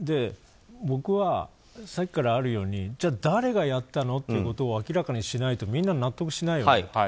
僕は、さっきからあるようにじゃあ誰がやったの？ということを明らかにしないとみんな納得しないよねと。